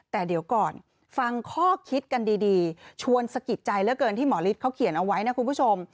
แต่เดี๋ยวก่อนฟังข้อคิดกันดีชวนสะกิดใจเหลือเกินที่หมอฤทธิเขาเขียนเอาไว้นะคุณผู้ชม